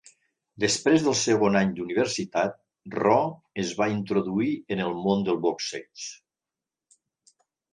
Després del segon any d'universitat, Ro es va introduir en el món del boxeig.